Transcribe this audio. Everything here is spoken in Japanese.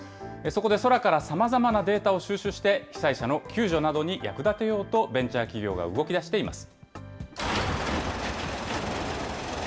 そこで空からさまざまなデータを収集して、被災者の救助などに役立てようとベンチャー企業が動きだしています。